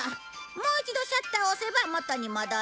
もう一度シャッターを押せば元に戻る。